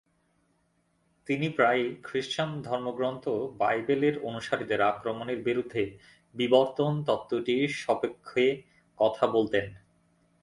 তিনি প্রায়ই খ্রিস্টান ধর্মগ্রন্থ বাইবেলের অনুসারীদের আক্রমণের বিরুদ্ধে বিবর্তন তত্ত্বটির স্বপক্ষে কথা বলতেন।